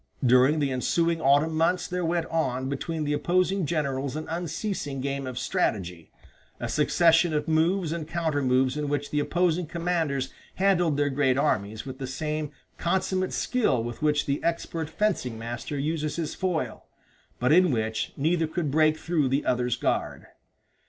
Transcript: During the ensuing autumn months there went on between the opposing generals an unceasing game of strategy, a succession of moves and counter moves in which the opposing commanders handled their great armies with the same consumate skill with which the expert fencing master uses his foil, but in which neither could break through the other's guard.